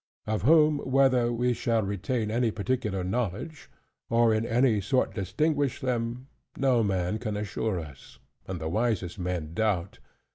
Of whom whether we shall retain any particular knowledge, or in any sort distinguish them, no man can assure us; and the wisest men doubt.